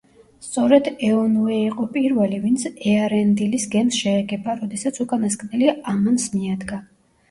სწორედ ეონუე იყო პირველი, ვინც ეარენდილის გემს შეეგება, როდესაც უკანასკნელი ამანს მიადგა.